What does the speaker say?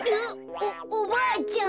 おおばあちゃん。